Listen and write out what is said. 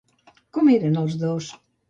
Com eren els dos?